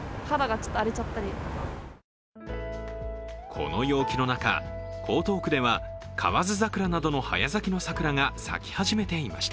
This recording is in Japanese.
この陽気の中、江東区では河津桜などの早咲きの桜が咲き始めていました。